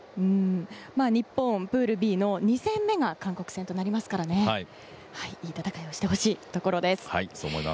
日本、プールＢの２戦目が韓国戦となりますからいい戦いをしてほしいところです。